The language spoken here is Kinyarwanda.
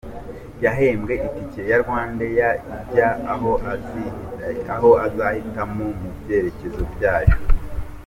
Yahembwe itike ya RwandAir ijya aho azahitamo mu byerekezo byayo.